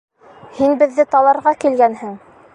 Һин беҙҙе таларға килгәнһең!